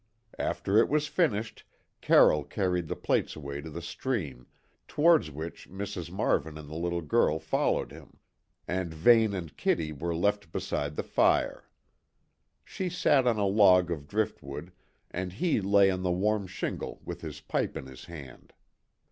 After it was finished Carroll carried the plates away to the stream, towards which Mrs. Marvin and the little girl followed him, and Vane and Kitty were left beside the fire. She sat on a log of driftwood, and he lay on the warm shingle with his pipe in his hand.